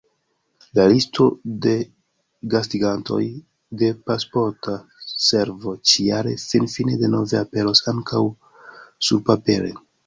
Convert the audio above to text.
La listo de gastigantoj de Pasporta Servo ĉi-jare finfine denove aperos ankaŭ surpapere.